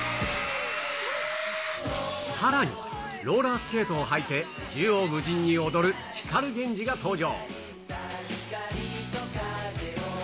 さらに、ローラースケートを履いて縦横無尽に踊る光ＧＥＮＪＩが登場。